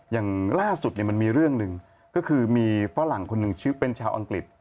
อย่างล่าสุดมันมีเรื่องหนึ่งก็คือมีฝรั่งคนหนึ่งชื่อเป็นชาวอังกฤษ